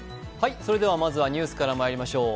まずはニュースからまいりましょう。